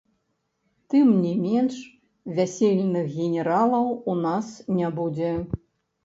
Тым не менш, вясельных генералаў у нас не будзе.